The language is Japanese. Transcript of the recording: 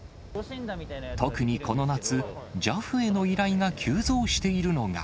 特にこの夏、ＪＡＦへの依頼が急増しているのが。